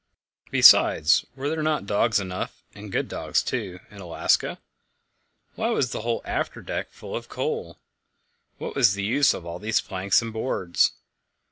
Besides, were there not dogs enough, and good dogs too, in Alaska? Why was the whole after deck full of coal? What was the use of all these planks and boards?